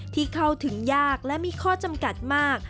เข้าถึงยากและมีข้อจำกัดมาก